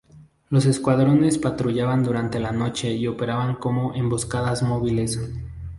Los escuadrones patrullaban durante la noche y operaban como "emboscadas móviles".